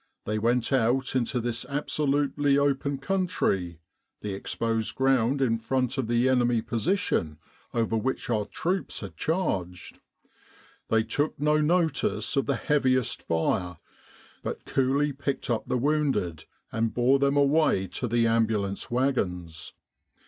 They went out into this absolutely open country (the exposed ground 1 in front of the enemy position, over which our troops had charged). They took no notice of the heaviest fire, but coolly picked up the wounded, and bore them away to the ambulance wagons.